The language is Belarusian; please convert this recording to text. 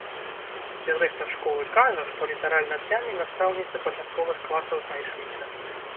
Дырэктар школы кажа, што літаральна днямі настаўніцы пачатковых класаў знайшліся.